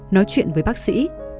nói chuyện với bác sĩ